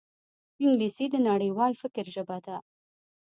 انګلیسي د نړیوال فکر ژبه ده